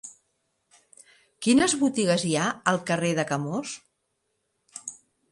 Quines botigues hi ha al carrer de Camós?